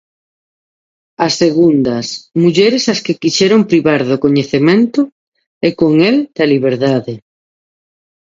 As segundas, mulleres ás que quixeron privar do coñecemento e, con el, da liberdade.